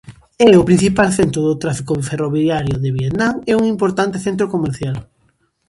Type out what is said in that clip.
É o principal centro do tráfico ferroviario de Vietnam e un importante centro comercial.